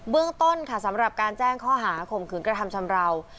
เรื่องต้นค่ะสำหรับการแจ้งข้อหาข่มขืนกระทำชำราว